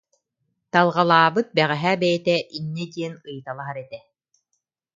Талҕалаабыт бэҕэһээ бэйэтэ инньэ диэн ыйыталаһар этэ